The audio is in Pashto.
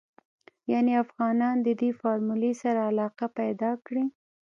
يانې افغانانو ددې فارمولې سره علاقه پيدا کړې.